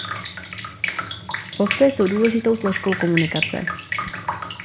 Postoje jsou důležitou složkou komunikace.